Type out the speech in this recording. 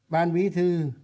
ban bí thư